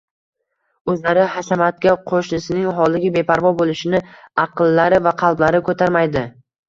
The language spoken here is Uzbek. o‘zlari hashamatga, qo‘shnisining holiga beparvo bo‘lishini aqllari va qalblari ko‘tarmaydi.